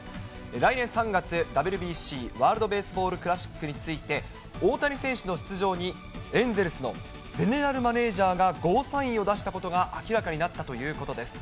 来年３月、ＷＢＣ・ワールドベースボールクラシックについて、大谷選手の出場に、エンゼルスのゼネラルマネージャーがゴーサインを出したことが明らかになったということです。